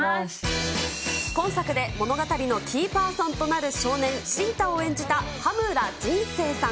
今作で物語のキーパーソンとなる少年、慎太を演じた、羽村仁成さん。